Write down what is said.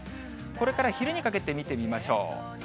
これから昼にかけて見てみましょう。